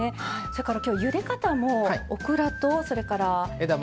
それからきょうゆで方もオクラとそれから枝豆。